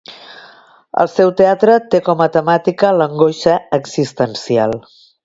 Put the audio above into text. El seu teatre té com a temàtica l'angoixa existencial.